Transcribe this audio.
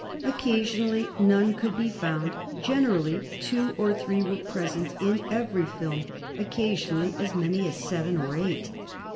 Occasionally none could be found; generally two or three were present in every film, occasionally as many as seven or eight.